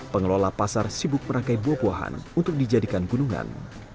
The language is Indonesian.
pengelola pasar sibuk merangkai buah buahan untuk dijadikan gunungan